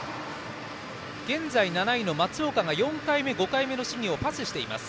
現在７位の松岡が４回目、５回目の試技をパスしています。